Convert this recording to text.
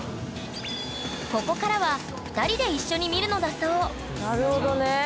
ここからは２人で一緒に見るのだそうなるほどね。